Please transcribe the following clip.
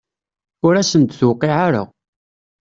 Ur asen-d-tuqiɛ ara.